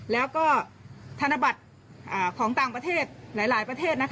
แล้วก็ธนบัตรของต่างประเทศหลายประเทศ